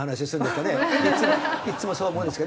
いつもいつもそう思うんですけど。